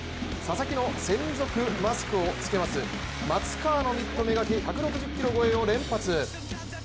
佐々木の専属マスクをつけます松川のミット目がけ１６０キロ超えを連発。